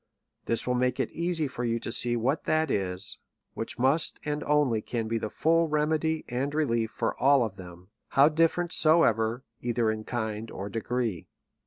This will make it easy for you to see what that is, which must and only can be the full remedy and relief for all of them, how different soever, either in kind or degree.